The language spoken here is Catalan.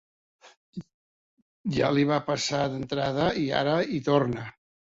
Ja li va passar d'entrada, i ara hi torna.